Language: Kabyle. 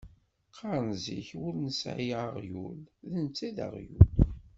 Qqaren zik win ur nesɛi aɣyul, d netta ay d aɣyul.